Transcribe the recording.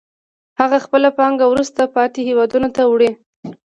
هغه خپله پانګه وروسته پاتې هېوادونو ته وړي